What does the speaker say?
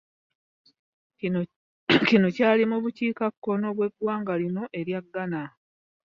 Kino kyali mu bukiikakkono bw'eggwanga lino erya Ghana.